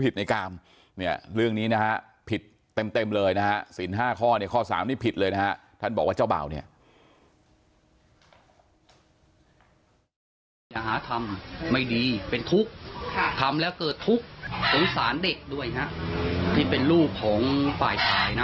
แต่ข้อสามนี่ผิดเลยนะฮะท่านบอกว่าเจ้าบ่าวเนี่ย